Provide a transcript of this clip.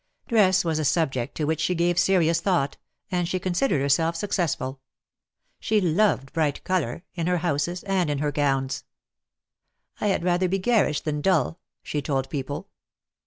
Dress was a subject to which she gave serious thought, and she considered herself successful. She loved bright colour; in her houses, and in her gowns. "I had rather be garish than dull," she told people.